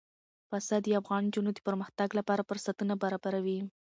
پسه د افغان نجونو د پرمختګ لپاره فرصتونه برابروي.